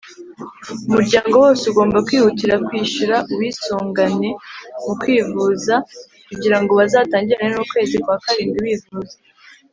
Umuryango wose ugomba kwihutira kwishyura uwisungane mu kwivuza kugirango bazatangirane n’ukwezi kwa karindwi bivuza.